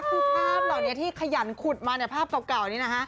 คือภาพเหล่านี้ที่ขยันขุดมาเนี่ยภาพเก่านี้นะฮะ